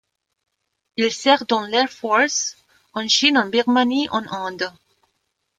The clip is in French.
Il sert dans l'Air Forces, en Chine, en Birmanie, en Inde.